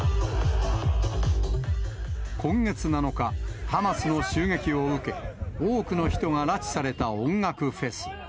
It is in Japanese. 今月７日、ハマスの襲撃を受け、多くの人が拉致された音楽フェス。